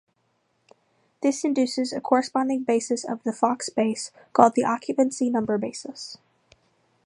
This induces a corresponding basis of the Fock space called the "occupancy number basis".